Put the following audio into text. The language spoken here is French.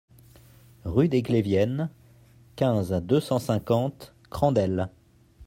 Rue des Gleviennes, quinze, deux cent cinquante Crandelles